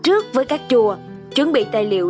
trước với các chùa chuẩn bị tài liệu